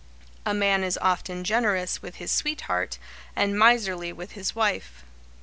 A man is often generous with his sweetheart and miserly with his wife.